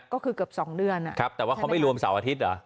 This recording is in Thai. ก็คือเกือบ๒เดือนนะครับแต่ว่าเขาไม่รวมเสาร์อาทิตย์เหรอ